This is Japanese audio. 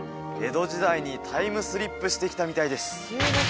江戸時代にタイムスリップしてきたみたいです